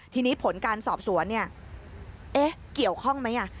ทีนี้ผลการสอบสวนเนี่ยเอ๊ะเกี่ยวข้องไหม